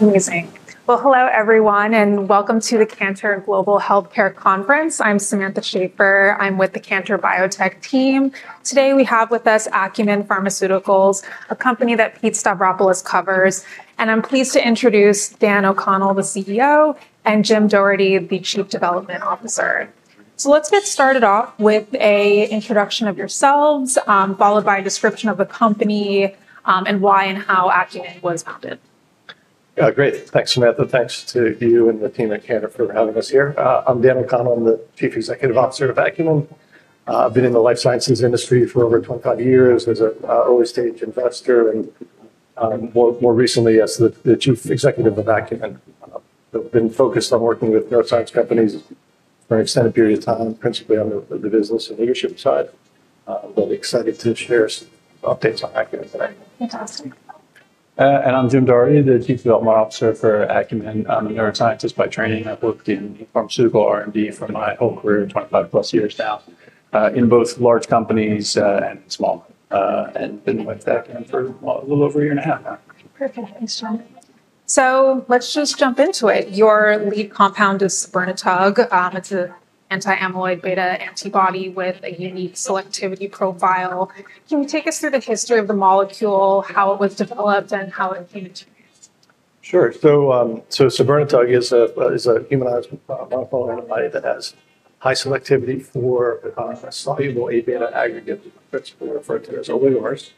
Amazing. Hello everyone and welcome to the Cantor Global Healthcare Conference. I'm Samantha Schafer. I'm with the Cantor Biotech team. Today we have with us Acumen Pharmaceuticals, a company that Pete Stavropoulos covers, and I'm pleased to introduce Dan O'Connell, the CEO, and Jim Doherty, the Chief Development Officer. Let's get started off with an introduction of yourselves, followed by a description of the company, and why and how Acumen was founded. Yeah, great. Thanks, Samantha. Thanks to you and the team at Cantor for having us here. I'm Dan O'Connell. I'm the Chief Executive Officer of Acumen. I've been in the life sciences industry for over 25 years as an early-stage investor and, more recently, as the Chief Executive of Acumen. I've been focused on working with neuroscience companies for an extended period of time, principally on the business and leadership side. I'm really excited to share some updates on Acumen today. Fantastic. I'm Jim Doherty, the Chief Development Officer for Acumen. I'm a neuroscientist by training. I've worked in pharmaceutical R&D for my whole career, 25 plus years now, in both large companies and small ones, and been with Acumen for a little over a year and a half now. Perfect. Thanks, John. Let's just jump into it. Your lead compound is sabirnetug (ACU193). It's an anti-amyloid-beta antibody with a unique selectivity profile. Can you take us through the history of the molecule, how it was developed, and how it came into use? Sure. Sabirnetug is a humanized monoclonal antibody that has high selectivity for a soluble amyloid-beta aggregate, which is referred to as oligomers.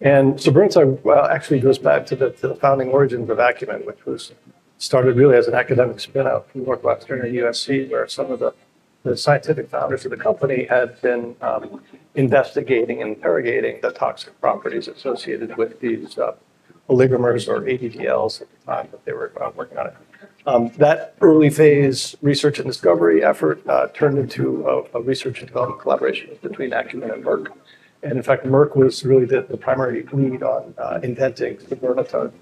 Sabirnetug actually goes back to the founding origins of Acumen, which was started really as an academic spin-off from Northwestern and USC, where some of the scientific founders of the company had been investigating and interrogating the toxic properties associated with these oligomers or ADDLs at the time that they were working on it. That early phase research and discovery effort turned into a research and development collaboration between Acumen and Merck. In fact, Merck was really the primary lead on inventing sabirnetug,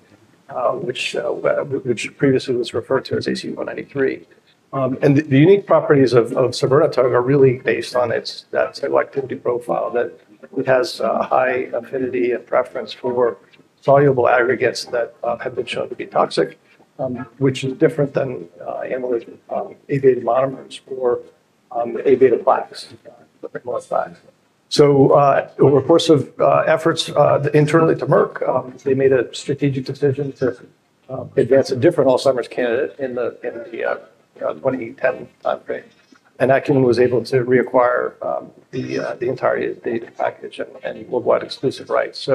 which previously was referred to as ACU193. The unique properties of sabirnetug are really based on its selectivity profile that it has a high affinity and preference for soluble aggregates that have been shown to be toxic, which is different than amyloid-beta monomers or amyloid plaques, the amyloid plaques. Over a course of efforts, internally to Merck, they made a strategic decision to advance a different Alzheimer's candidate in the 2010 timeframe. Acumen was able to reacquire the entire data package and worldwide exclusive rights.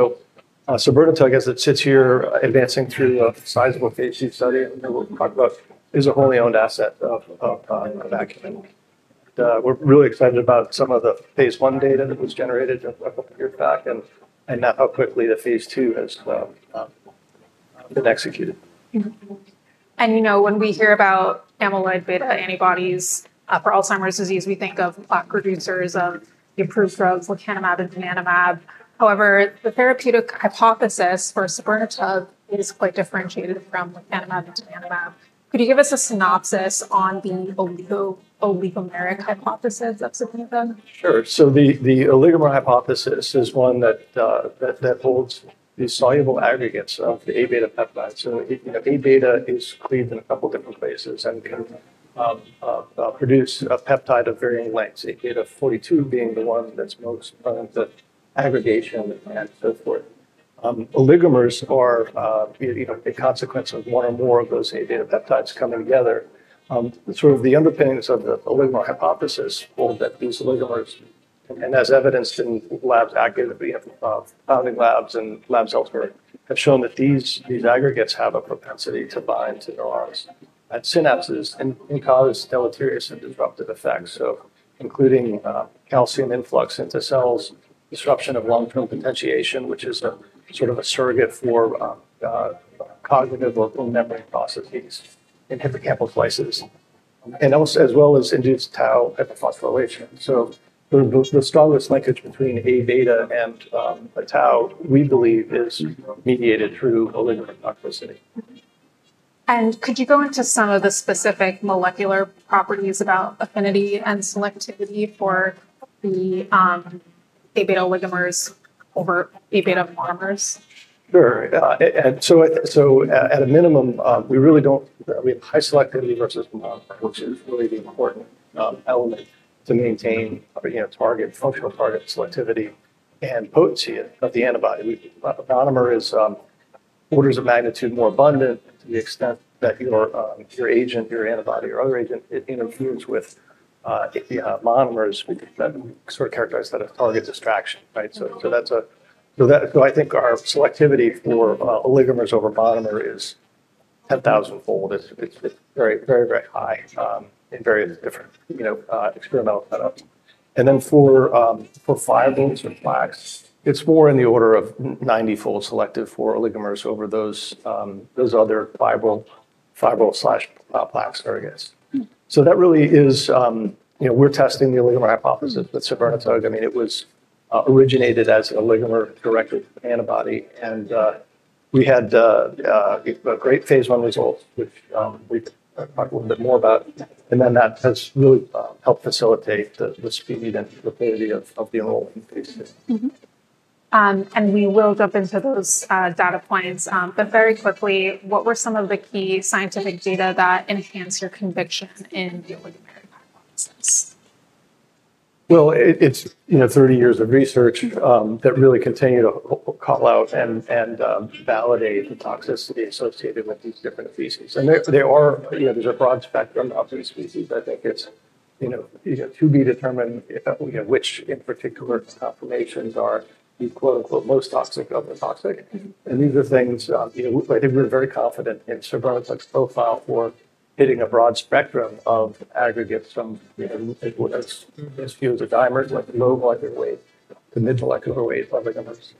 Sabirnetug, as it sits here advancing through a sizable phase 2 study, and we'll talk about, is a wholly owned asset of Acumen. We're really excited about some of the phase 1 data that was generated a couple of years back and now how quickly the phase 2 has been executed. You know, when we hear about amyloid-beta antibodies for Alzheimer's disease, we think of the producers of the approved drugs like lecanemab and donanemab. However, the therapeutic hypothesis for sabirnetug is quite differentiated from lecanemab and donanemab. Could you give us a synopsis on the oligomeric hypothesis of sabirnetug? Sure. The oligomer hypothesis is one that holds these soluble aggregates of the A-beta peptides. You know, A-beta is cleaved in a couple of different places and can produce a peptide of varying lengths, A-beta 42 being the one that's most prone to aggregation and so forth. Oligomers are a consequence of one or more of those A-beta peptides coming together. The underpinnings of the oligomer hypothesis hold that these oligomers, as evidenced in labs, activity of founding labs and labs elsewhere, have shown that these aggregates have a propensity to bind to neurons at synapses and cause deleterious and disruptive effects, including calcium influx into cells, disruption of long-term potentiation, which is a surrogate for cognitive local membrane processes in hippocampal slices, as well as induced tau hyperphosphorylation. The strongest linkage between A-beta and tau, we believe, is mediated through oligomer toxicity. Could you go into some of the specific molecular properties about affinity and selectivity for the amyloid-beta oligomers over amyloid-beta monomers? Sure. At a minimum, we really don't, we have high selectivity versus monomer, which is really the important element to maintain, you know, target functional target selectivity and potency of the antibody. Monomer is orders of magnitude more abundant. The extent that your agent, your antibody, or other agent interferes with the monomers, we can sort of characterize that as target distraction, right? I think our selectivity for oligomers over monomer is 10,000-fold. It's very, very, very high in various different, you know, experimental setups. For fibrils or plaques, it's more in the order of 90-fold selective for oligomers over those other fibril/plaques areas. That really is, you know, we're testing the oligomer hypothesis with sabirnetug. I mean, it was originated as an oligomer-directed antibody, and we had great phase 1 results, which we talk a little bit more about. That has really helped facilitate the specificity and liquidity of the oligomer in phase 2. We will jump into those data points. Very quickly, what were some of the key scientific data that enhanced your conviction in the oligomeric hypothesis? It's 30 years of research that really continue to call out and validate the toxicity associated with these different species. There are, you know, there's a broad spectrum of these species. I think it's to be determined which in particular conformations are the quote unquote most toxic of the toxic. These are things I think we're very confident in sabirnetug's profile for hitting a broad spectrum of aggregates from as few as a dimer, like low molecular weight to mid-molecular weight oligomers.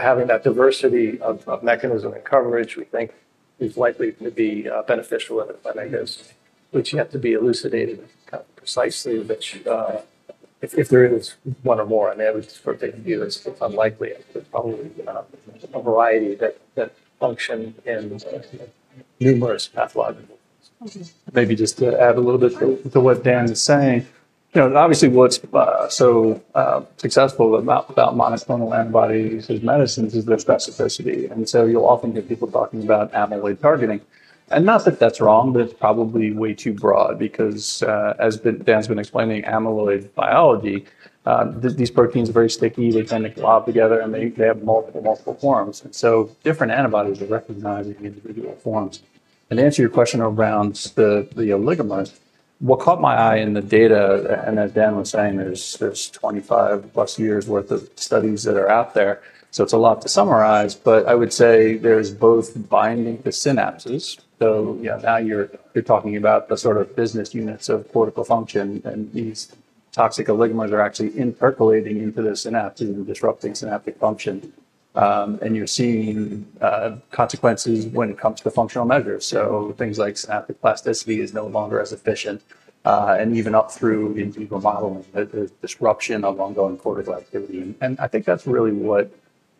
Having that diversity of mechanism and coverage, we think, is likely to be beneficial and a negative, which yet to be elucidated precisely, which, if there is one or more, I mean, I would sort of take the view as it's unlikely, but probably a variety that function in numerous pathologics. Maybe just to add a little bit to what Dan is saying, obviously what's so successful about monoclonal antibodies as medicines is their specificity. You'll often hear people talking about amyloid targeting. Not that that's wrong, but it's probably way too broad because, as Dan's been explaining, amyloid biology, these proteins are very sticky. They tend to go out together and they have multiple, multiple forms. Different antibodies are recognizing individual forms. To answer your question around the oligomers, what caught my eye in the data, and as Dan was saying, there's 25+ years' worth of studies that are out there. It's a lot to summarize, but I would say there's both binding to synapses. Now you're talking about the sort of business units of cortical function, and these toxic oligomers are actually intercalating into the synapses and disrupting synaptic function. You're seeing consequences when it comes to functional measures. Things like synaptic plasticity is no longer as efficient, and even up through into the modeling, the disruption of ongoing cortical activity. I think that's really what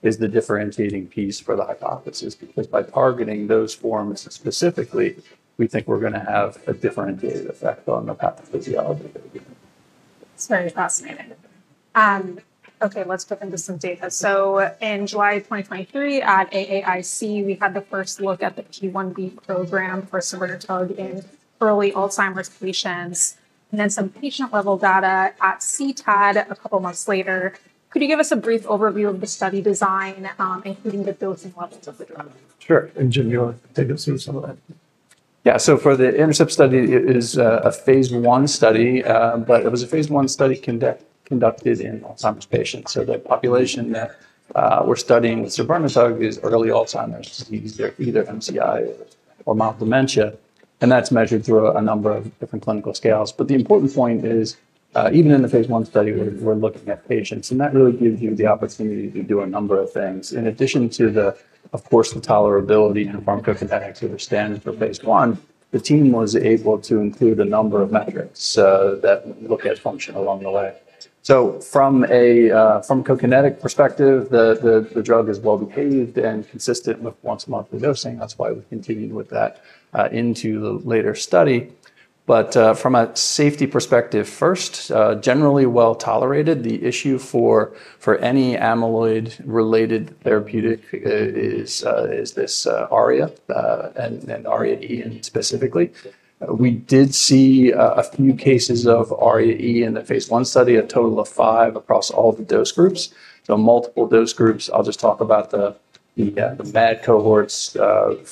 is the differentiating piece for the hypothesis, because by targeting those forms specifically, we think we're going to have a differentiated effect on the pathophysiology of the oligomer. It's very fascinating. Okay, let's jump into some data. In July 2023 at AAIC, we had the first look at the phase 1b program for sabirnetug (ACU193) in early Alzheimer's patients, and then some patient-level data at CTAD a couple months later. Could you give us a brief overview of the study design, including the dosing levels of the drug? Sure. Jim, you want to take us through some of that? Yeah, for the INTERCEPT-AD trial, it is a phase 1 study, but it was a phase 1 study conducted in Alzheimer's patients. The population that we're studying with sabirnetug (ACU193) is early Alzheimer's disease, either MCI or mild dementia. That's measured through a number of different clinical scales. The important point is, even in the phase 1 study, we're looking at patients, and that really gives you the opportunity to do a number of things. In addition to the tolerability and pharmacokinetics, which are standard for phase 1, the team was able to include a number of metrics that look at function along the way. From a pharmacokinetic perspective, the drug is well behaved and consistent with once-monthly dosing. That's why we've continued with that into the later study. From a safety perspective first, generally well tolerated. The issue for any amyloid-related therapeutic is ARIA and ARIA-E specifically. We did see a few cases of ARIA-E in the phase 1 study, a total of five across all the dose groups. Multiple dose groups, I'll just talk about the MAD cohorts,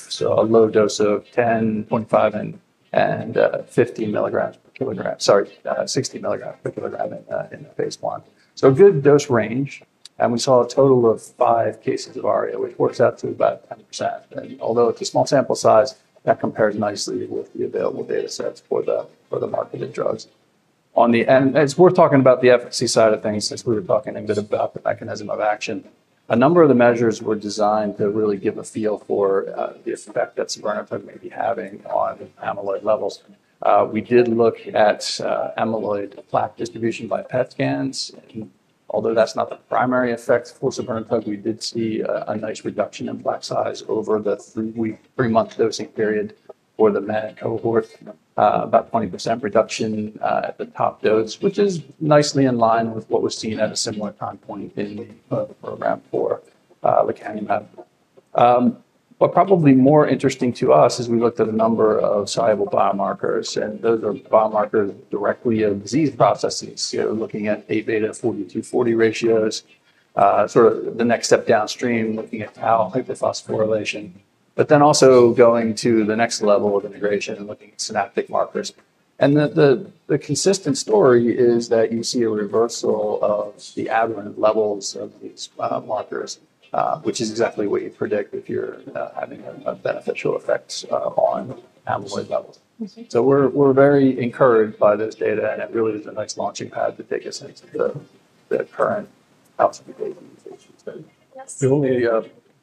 so a low dose of 10, 30, and 60 milligrams per kilogram in the phase 1. A good dose range. We saw a total of five cases of ARIA, which works out to about 10%. Although it's a small sample size, that compares nicely with the available data sets for the marketed drugs. On the end, it's worth talking about the efficacy side of things since we were talking a bit about the mechanism of action. A number of the measures were designed to really give a feel for the effect that sabirnetug (ACU193) may be having on amyloid levels. We did look at amyloid plaque distribution by PET scans. Although that's not the primary effect for sabirnetug (ACU193), we did see a nice reduction in plaque size over the three-month dosing period for the MAD cohort, about 20% reduction at the top dose, which is nicely in line with what was seen at a similar time point in the clinical program for lecanemab. Probably more interesting to us is we looked at a number of soluble biomarkers, and those are biomarkers directly of disease processes. Looking at A-beta 42-40 ratios, sort of the next step downstream, looking at tau hyperphosphorylation, but then also going to the next level of integration and looking at synaptic markers. The consistent story is that you see a reversal of the aberrant levels of these markers, which is exactly what you predict if you're having a beneficial effect on amyloid levels. We're very encouraged by this data, and it really is a nice launching pad to take us into the current outcome data. The only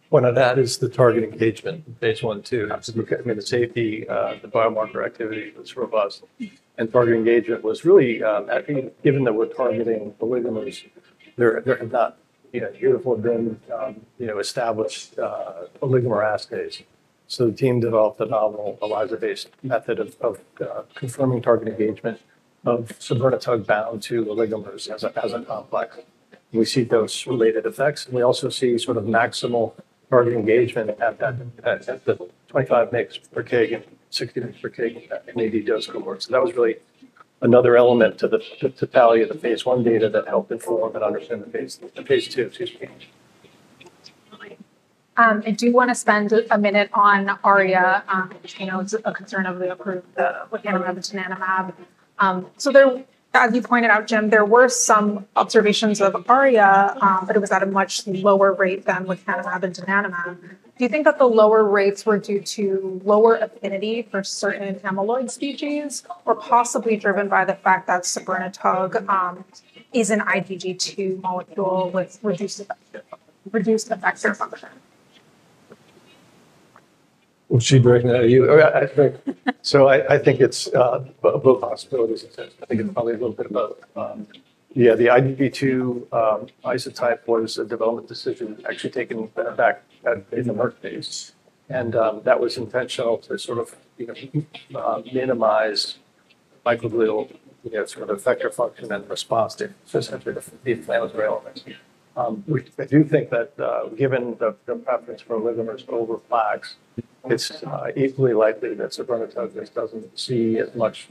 point I'd add is the target engagement in phase 1 too. I mean, the safety, the biomarker activity was robust, and target engagement was really, I mean, given that we're targeting oligomers, there have not uniformly been established oligomer assays. The team developed a novel ELISA-based method of confirming target engagement of sabirnetug bound to oligomers as a complex. We see those related effects, and we also see sort of maximal target engagement at the 25 mg/kg and 60 mg/kg in the AD dose cohort. That was really another element to the totality of the phase 1 data that helped inform and underpin the phase 2 change. I do want to spend a minute on ARIA, which, you know, is a concern of the approved lecanemab and donanemab. As you pointed out, Jim, there were some observations of ARIA, but it was at a much lower rate than lecanemab and donanemab. Do you think that the lower rates were due to lower affinity for certain amyloid species, or possibly driven by the fact that sabirnetug is an IgG2 molecule with reduced effector function? I think it's both possibilities. I can tell you a little bit about, yeah, the IgG2 isotype was a development decision actually taken back in the Merck phase. That was intentional to sort of, you know, minimize microglial sort of effector function and response to essentially the inflammatory elements. I do think that given the preference for oligomers over plaques, it's equally likely that sabirnetug doesn't see as much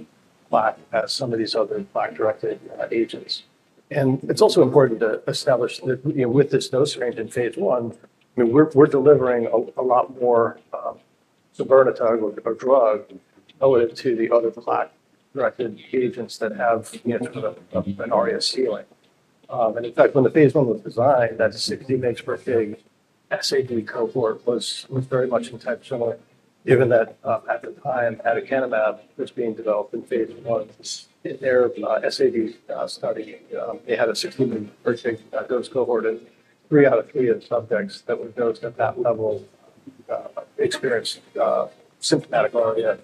plaque as some of these other plaque-directed agents. It's also important to establish that, you know, with this dose range in phase 1, I mean, we're delivering a lot more sabirnetug drug relative to the other plaque-directed agents that have, you know, sort of an ARIA ceiling. In fact, when the phase 1 was designed, that 60 mg/kg SAD cohort was very much intentional, given that at the time lecanemab was being developed in phase 1, their SAD study had a 60 mg/kg dose cohort, and three out of eight of the subjects that were dosed at that level experienced symptomatic ARIA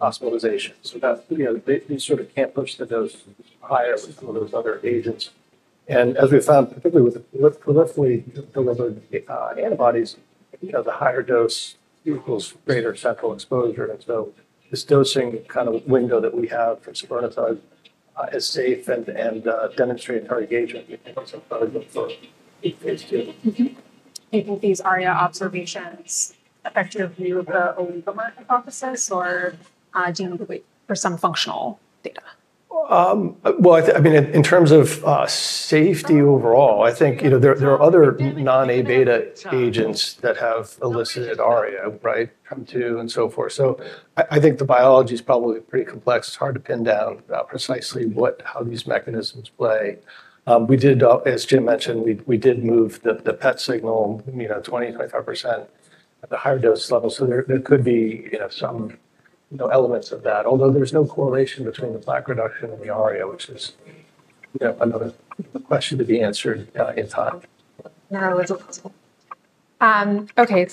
hospitalizations. They sort of can't push the dose higher for some of those other agents. As we found, particularly with peripherally delivered antibodies, the higher dose equals greater central exposure. This dosing kind of window that we have for sabirnetug is safe and demonstrates our engagement. Do you think these ARIA observations affect your view of the oligomer hypothesis, or do you need to wait for some functional data? I think, in terms of safety overall, there are other non-amyloid-beta agents that have elicited ARIA, right, M2 and so forth. I think the biology is probably pretty complex. It's hard to pin down precisely how these mechanisms play. As Jim mentioned, we did move the PET signal 20-25% at the higher dose level. There could be some elements of that, although there's no correlation between the plaque reduction and the ARIA, which is another question to be answered in time. No, it's impossible. Okay,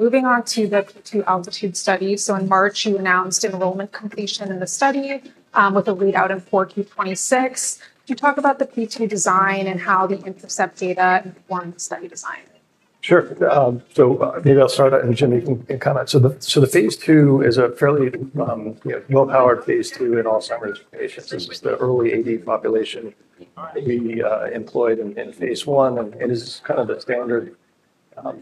moving on to the Phase 2 ALTITUDE-AD study. In March, you announced enrollment completion in the study with a readout of 4Q 2026. Could you talk about the Phase 2 design and how the INTERCEPT-AD data informed study design? Sure. Maybe I'll start, and Jim, you can comment. The phase 2 is a fairly, you know, well-powered phase 2 in Alzheimer's patients. This is the early AD population we employed in phase 1, and this is kind of the standard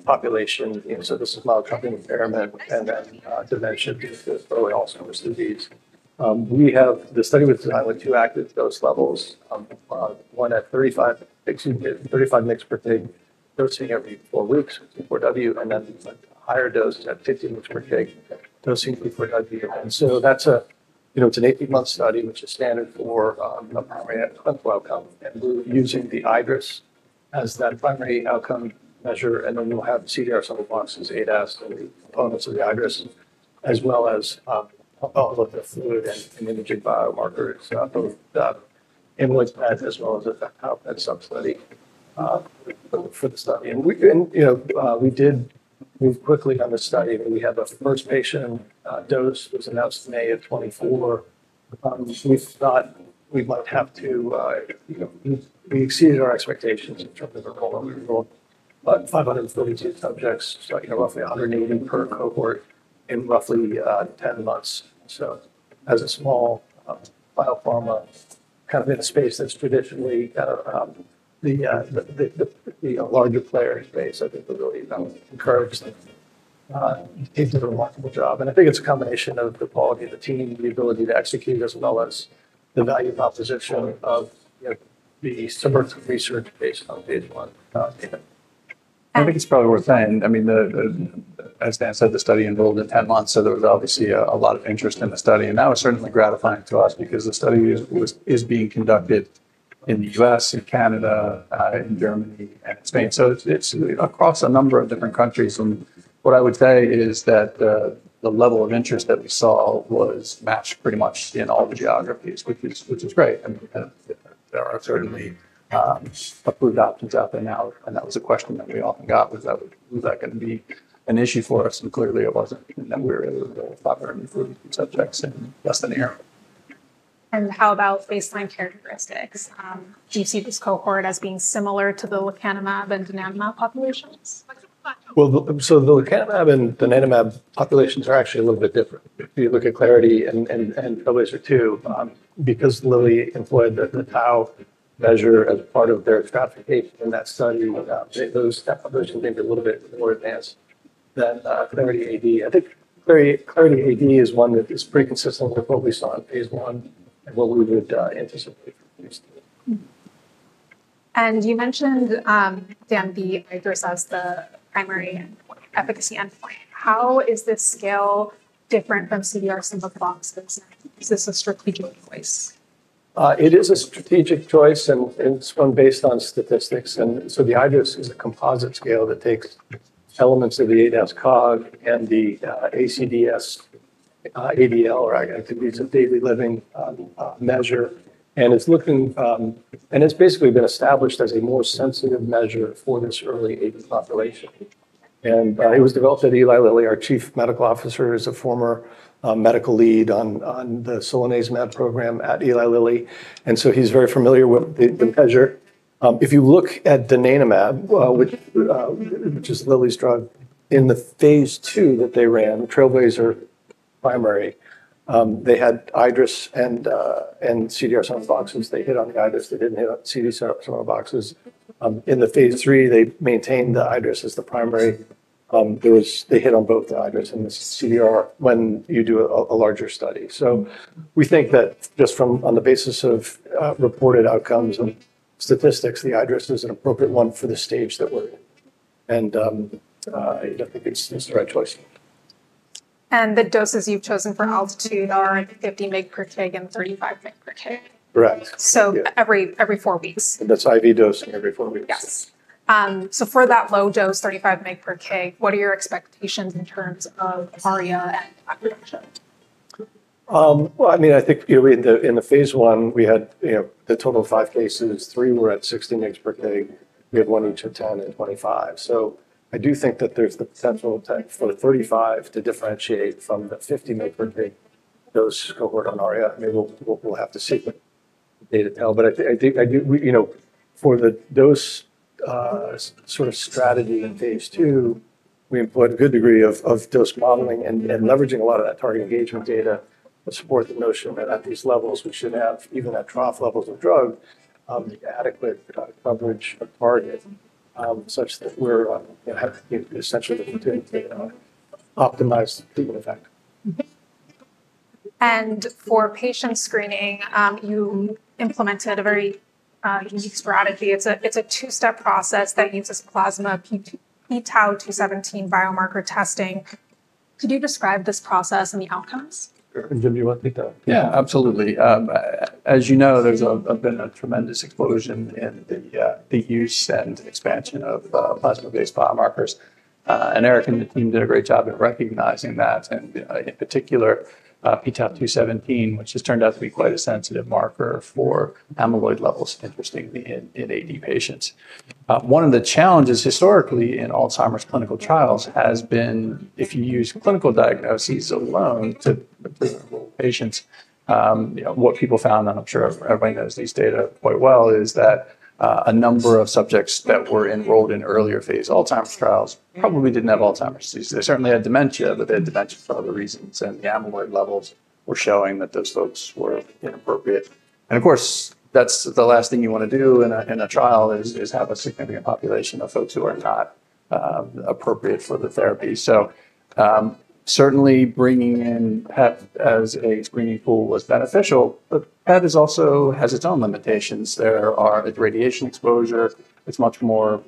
population. This is mild cognitive impairment, and then dementia due to the early Alzheimer's disease. The study was designed with two active dose levels, one at 35 mg/kg dosing every four weeks with Q4W, and then a higher dose at 50 mg/kg dosing Q4W. It's an 18-month study, which is standard for a primary clinical outcome. We're using the IDRS as that primary outcome measure, and then we'll have CDR sum of boxes, ADAS, and the components of the IDRS, as well as all of the fluid and imaging biomarkers, both inwards PET as well as a PET substudy for the study. We did move quickly on the study. We have a first patient dose that was announced in May of 2024. We thought we might have to, you know, we exceeded our expectations in terms of our cohort. We enrolled about 532 subjects, so roughly 180 for the cohort in roughly 10 months. As a small biopharma kind of in a space that's traditionally kind of the larger players' base, I think we're really encouraged. They did a remarkable job. I think it's a combination of the quality of the team, the ability to execute, as well as the value proposition of, you know, the suburban research based on phase 1 data. I think it's probably worth saying, I mean, as Dan said, the study enrolled in 10 months, so there was obviously a lot of interest in the study. That was certainly gratifying to us because the study is being conducted in the U.S., in Canada, in Germany, and in Spain. It's across a number of different countries. What I would say is that the level of interest that we saw was matched pretty much in all the geographies, which is great. There are certainly approved options out there now. That was a question that we often got, was that going to be an issue for us? Clearly it wasn't. We were able to deliver 532 subjects in less than a year. How about baseline characteristics? Do you see this cohort as being similar to the lecanemab and donanemab populations? The lecanemab and donanemab populations are actually a little bit different. If you look at Clarity and PROVISION 2, because Lilly employed the tau measure as part of their stratification in that study, those population things are a little bit more advanced than Clarity AD. I think Clarity AD is one that is pretty consistent with what we saw in phase 1 and what we would anticipate from phase 2. You mentioned, Dan, the IDRS as the primary efficacy. How is this scale different from CDR sum of boxes? Is this a strategic choice? It is a strategic choice, and it's one based on statistics. The IDRS is a composite scale that takes elements of the ADAS-COG and the ACDS ADL, or Activities of Daily Living measure. It's basically been established as a more sensitive measure for this early AD population. It was developed at Eli Lilly. Our Chief Medical Officer is a former medical lead on the solanezumab program at Eli Lilly, so he's very familiar with the measure. If you look at donanemab, which is Lilly's drug, in the phase 2 that they ran, the TRAILBLAZER primary, they had IDRS and CDR sum of boxes. They hit on the IDRS. They didn't hit on CDR sum of boxes. In the phase 3, they maintained the IDRS as the primary. They hit on both the IDRS and the CDR when you do a larger study. We think that just on the basis of reported outcomes and statistics, the IDRS is an appropriate one for the stage that we're in. I think it's the right choice. The doses you've chosen for ALTITUDE-AD are 50 mg per kg and 35 mg per kg. Correct. Every four weeks. That's IV dosing every four weeks. Yes. For that low dose, 35 mg per kg, what are your expectations in terms of ARIA and plaque reduction? I think in the phase 1, we had the total of five phases. Three were at 60 mg/kg. We had one at 10 and 25. I do think that there's the potential for the 35 to differentiate from the 50 mg/kg dose cohort on ARIA. Maybe we'll have to see the data tell, but I think for the dose sort of strategy in phase 2, we employed a good degree of dose modeling and leveraging a lot of that target engagement data to support the notion that at these levels, we should have, even at trough levels of drug, adequate coverage target, such that we're essentially the optimized treatment effect. For patient screening, you implemented a very unique strategy. It's a two-step process that uses plasma pTau217 biomarker testing. Could you describe this process and the outcomes? Jim, you want to take that? Yeah, absolutely. As you know, there's been a tremendous explosion in the use and expansion of plasma-based biomarkers. Eric and the team did a great job in recognizing that, and in particular, pTau217, which has turned out to be quite a sensitive marker for amyloid levels, interestingly, in AD patients. One of the challenges historically in Alzheimer's clinical trials has been, if you use clinical diagnoses alone to patients, what people found, and I'm sure everybody knows these data quite well, is that a number of subjects that were enrolled in earlier phase Alzheimer's trials probably didn't have Alzheimer's disease. They certainly had dementia, but they had dementia for other reasons, and the amyloid levels were showing that those folks were inappropriate. Of course, that's the last thing you want to do in a trial is have a significant population of folks who are not appropriate for the therapy. Certainly bringing in PET as a screening pool was beneficial. PET also has its own limitations. There is radiation exposure. It's much more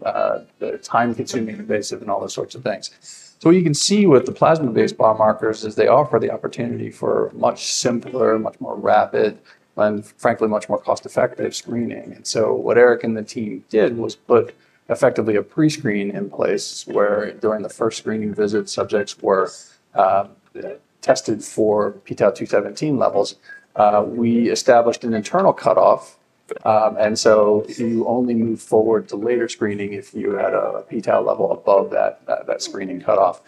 time-consuming, invasive, and all those sorts of things. What you can see with the plasma-based biomarkers is they offer the opportunity for much simpler, much more rapid, and frankly, much more cost-effective screening. Eric and the team put effectively a prescreen in place where during the first screening visit, subjects were tested for pTau217 levels. We established an internal cutoff, and you only move forward to later screening if you had a pTau level above that screening cutoff.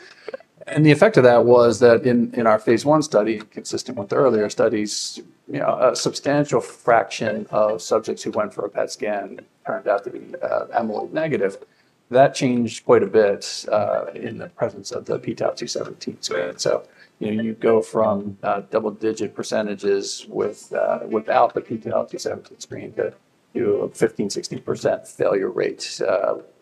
The effect of that was that in our phase 1 study, consistent with the earlier studies, a substantial fraction of subjects who went for a PET scan turned out to be amyloid negative. That changed quite a bit in the presence of the pTau217 screen. You go from double-digit % without the pTau217 screen to a 15% to 16% failure rate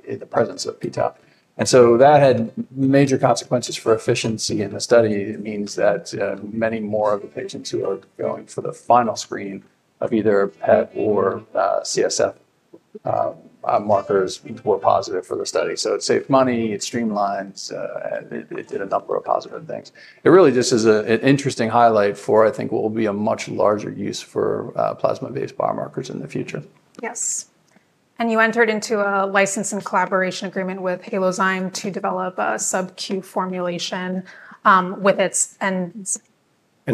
in the presence of pTau. That had major consequences for efficiency in the study. It means that many more of the patients who are going for the final screen of either PET or CSF markers were positive for the study. It saved money, it streamlined, and it did a number of positive things. It really just is an interesting highlight for, I think, what will be a much larger use for plasma-based biomarkers in the future. Yes. You entered into a license and collaboration agreement with Halozyme to develop a subcutaneous formulation with its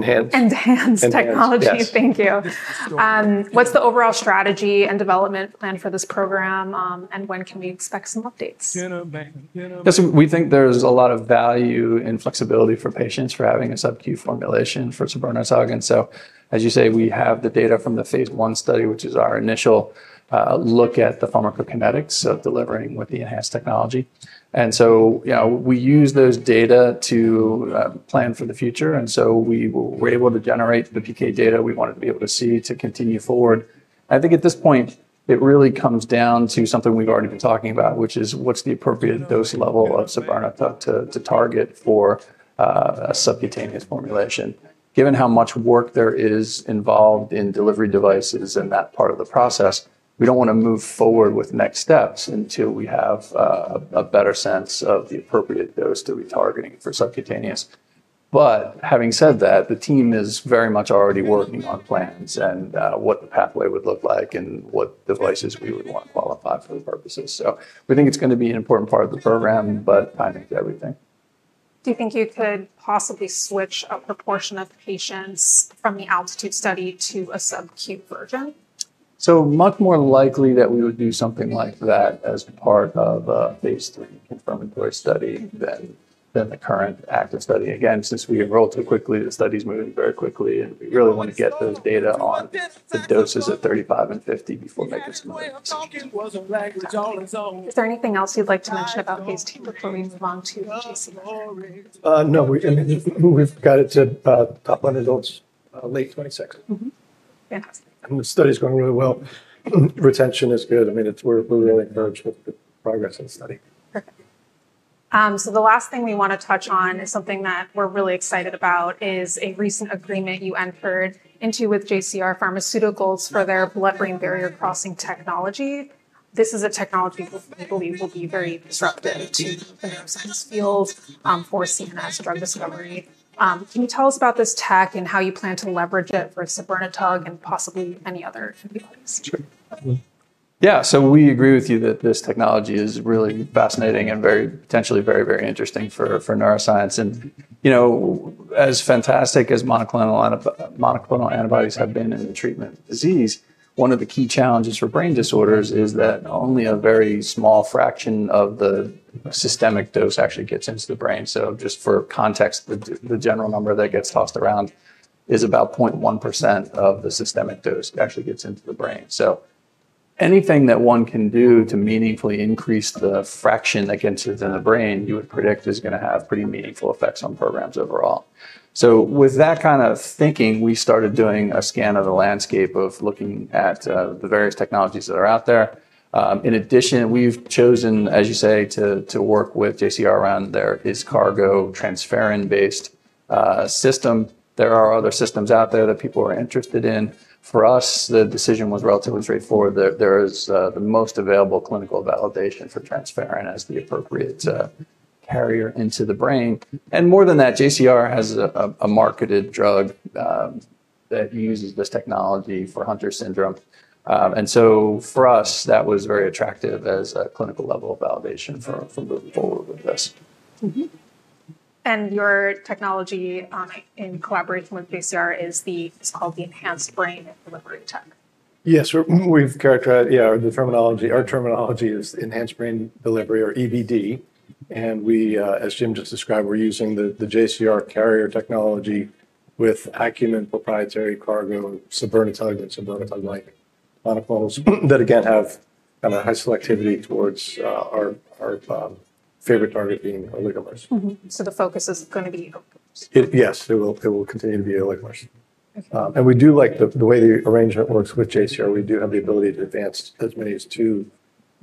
ENHANZE technology. Thank you. What's the overall strategy and development plan for this program, and when can we expect some updates? We think there's a lot of value and flexibility for patients for having a subcutaneous formulation for Spironolactone. As you say, we have the data from the phase 1 study, which is our initial look at the pharmacokinetics of delivering with the enhanced technology. We use those data to plan for the future. We were able to generate the PK data we wanted to be able to see to continue forward. I think at this point, it really comes down to something we've already been talking about, which is what's the appropriate dose level of Spironolactone to target for a subcutaneous formulation. Given how much work there is involved in delivery devices and that part of the process, we don't want to move forward with next steps until we have a better sense of the appropriate dose to be targeting for subcutaneous. Having said that, the team is very much already working on plans and what the pathway would look like and what devices we would want to qualify for the purposes. We think it's going to be an important part of the program, but timing is everything. Do you think you could possibly switch a proportion of patients from the ALTITUDE-AD study to a subcutaneous version? is much more likely that we would do something like that as part of a phase three confirmatory study than the current active study. Again, since we enrolled so quickly, the study is moving very quickly, and we really want to get those data on the doses at 35 and 50 before necessary. Is there anything else you'd like to mention about phase two before we move on to? No, we've got it to top line results late 2026. Yes. The study is going really well. Retention is good. We're really encouraged with the progress of the study. Perfect. The last thing we want to touch on is something that we're really excited about, is a recent agreement you entered into with JCR Pharmaceuticals for their blood-brain barrier crossing technology. This is a technology we believe will be very disruptive to the neuroscience field for CNS drug discovery. Can you tell us about this tech and how you plan to leverage it for sabirnetug and possibly any other antibodies? Sure. Yeah, we agree with you that this technology is really fascinating and very, potentially very, very interesting for neuroscience. As fantastic as monoclonal antibodies have been in the treatment of disease, one of the key challenges for brain disorders is that only a very small fraction of the systemic dose actually gets into the brain. Just for context, the general number that gets tossed around is about 0.1% of the systemic dose actually gets into the brain. Anything that one can do to meaningfully increase the fraction that gets into the brain, you would predict is going to have pretty meaningful effects on programs overall. With that kind of thinking, we started doing a scan of the landscape of looking at the various technologies that are out there. In addition, we've chosen, as you say, to work with JCR Pharmaceuticals around their ISCARGO transferrin-based system. There are other systems out there that people are interested in. For us, the decision was relatively straightforward. There is the most available clinical validation for transferrin as the appropriate carrier into the brain. More than that, JCR Pharmaceuticals has a marketed drug that uses this technology for Hunter's syndrome. For us, that was very attractive as a clinical level of validation for this. Your technology in collaboration with JCR Pharmaceuticals is the so-called enhanced brain delivery tech? Yes, we've characterized the terminology. Our terminology is enhanced brain delivery or EBD. As Jim just described, we're using the JCR carrier technology with Acumen proprietary Cargo, spironolactone and spironolactone-like monoclonals that again have kind of a high selectivity towards our favorite target being oligomers. The focus is going to be oligomers. Yes, it will continue to be oligomers. We do like the way the arrangement works with JCR. We do have the ability to advance as many as two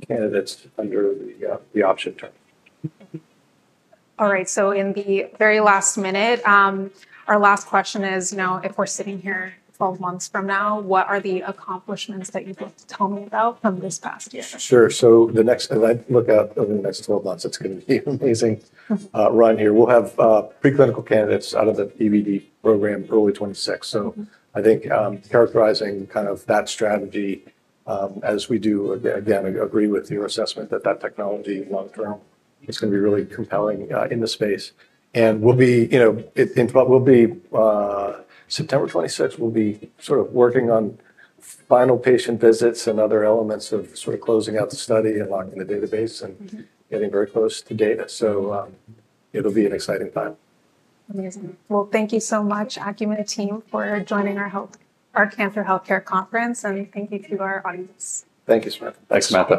candidates under the option target. All right, in the very last minute, our last question is, you know, if we're sitting here 12 months from now, what are the accomplishments that you'd love to tell me about from this past year? Sure, the next look out over the next 12 months, it's going to be an amazing run here. We'll have preclinical candidates out of the EBD program early 2026. I think characterizing kind of that strategy, as we do, again agree with your assessment that that technology long-term is going to be really compelling in the space. We'll be, in September 2026, sort of working on final patient visits and other elements of closing out the study and logging the database and getting very close to data. It'll be an exciting time. Amazing. Thank you so much, Acumen team, for joining our Cantor Healthcare Conference, and thank you to our audience. Thank you, Samantha. Thanks, Matthew.